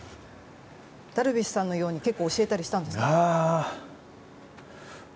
ダルビッシュさんのように結構教えたりしたんですか？